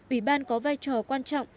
ủy ban có vai trò quan trọng